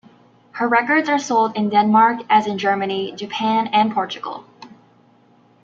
Her records are sold in Denmark as in Germany, Japan and Portugal.